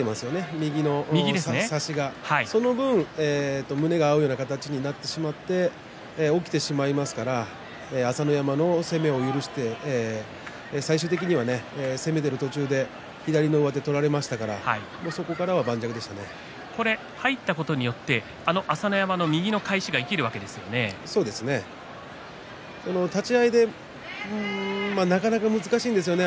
右の差しがその分、胸が合うような形になってしまって体が起きてしまいますから朝乃山の攻めを許して最終的には攻めている途中で左の上手を取られましたから入ったことによって朝乃山立ち合いでなかなか難しいんですよね。